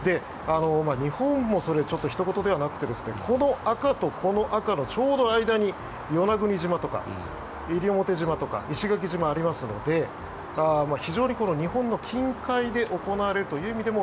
日本もそれちょっとひと事ではなくてこの赤とこの赤のちょうど間に与那国島とか西表島とか石垣島とかもありますので日本の近海で行われるという意味でも